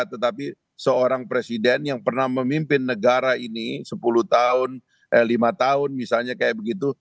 tetapi seorang presiden yang pernah memimpin negara ini sepuluh tahun eh lima tahun misalnya kayak begitu